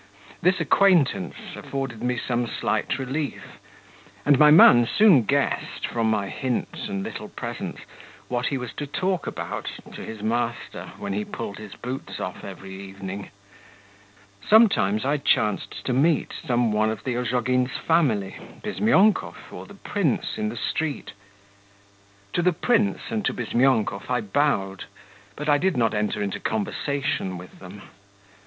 This acquaintance afforded me some slight relief, and my man soon guessed, from my hints and little presents, what he was to talk about to his master when he pulled his boots off every evening. Sometimes I chanced to meet some one of the Ozhogins' family, Bizmyonkov, or the prince in the street.... To the prince and to Bizmyonkov I bowed, but I did not enter into conversation with them.